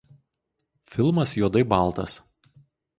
Filmas juodai baltas.